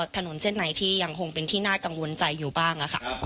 ถนนเส้นไหนที่ยังคงเป็นที่น่ากังวลใจอยู่บ้าง